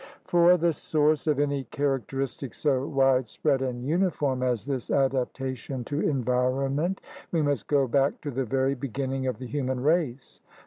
For the source of any characteristic so wide spread and uniform as this adaptation to environ ment we must go back to the very beginning of the human race.